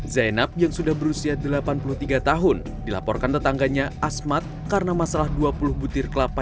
zainab yang sudah berusia delapan puluh tiga tahun dilaporkan tetangganya asmat karena masalah dua puluh butir kelapa